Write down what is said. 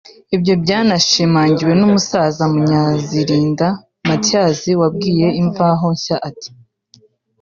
Ibyo byanashimangiwe n’umusaza Munyazirinda Mathias wabwiye Imvaho nshya ati